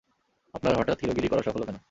আপনার হঠাত হিরোগিরী করার শখ হল কেন?